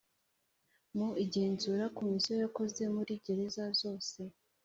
mu igenzura komisiyo yakoze muri gereza zose